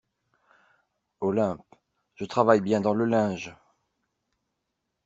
Olympe Je travaille bien dans le linge !